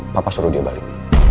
papa suruh dia balik